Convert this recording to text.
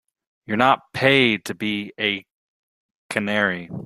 You're not paid to be a canary.